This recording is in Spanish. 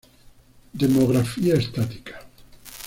Demografía estática.